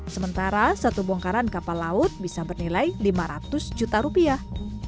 sementara satu bongkaran kapal laut bisa bernilai lima ratus juta rupiah